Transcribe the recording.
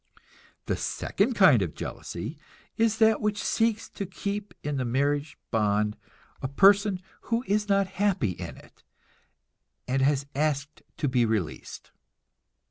The second kind of jealousy is that which seeks to keep in the marriage bond a person who is not happy in it and has asked to be released.